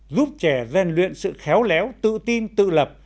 giúp trẻ rèn luyện sự khéo léo tự tin tự lập